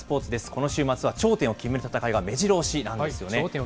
この週末は頂点を決める戦いがめじろ押しなんですよね。